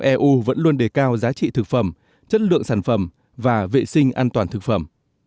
eu vẫn luôn đề cao giá trị thực phẩm chất lượng sản phẩm và vệ sinh an toàn thực phẩm